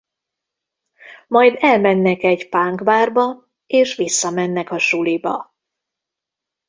Majd elmennek egy punk bárba és visszamennek a suliba.